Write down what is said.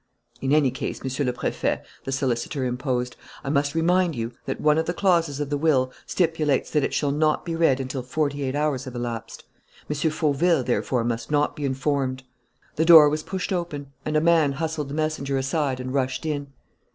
"In any case, Monsieur le Préfet," the solicitor interposed, "I must remind you that one of the clauses of the will stipulates that it shall not be read until forty eight hours have elapsed. M. Fauville, therefore, must not be informed " The door was pushed open and a man hustled the messenger aside and rushed in.